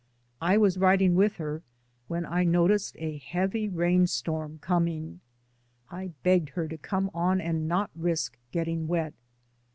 I was riding with her when I noticed a heavy rain storm com ing. I begged her to come on and not risk getting wet.